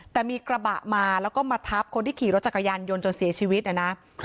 แต่มีกระบะมาแล้วก็มาทับคนที่ขี่รถจักรยานยนต์จนเสียชีวิตนะนะ